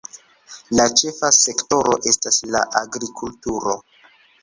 La ĉefa sektoro estas la agrikulturo.